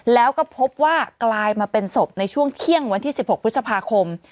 แล้วก็พบว่ากลายมาเป็นศพในช่วงเที่ยงวันที่๑๖พฤษภาคม